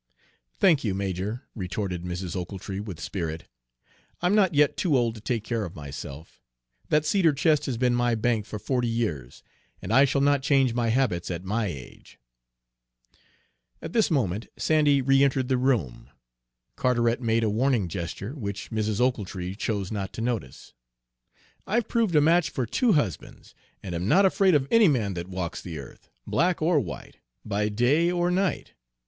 "Thank you, major," retorted Mrs. Ochiltree, with spirit, "I'm not yet too old to take care of myself. That cedar chest has been my bank for forty years, and I shall not change my habits at my age." At this moment Sandy reëntered the room. Carteret made a warning gesture, which Mrs. Ochiltree chose not to notice. "I've proved a match for two husbands, and am not afraid of any man that walks the earth, black or white, by day or night.